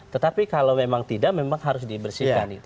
tetapi kalau memang tidak memang harus dibersihkan